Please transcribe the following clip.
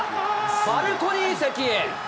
バルコニー席へ。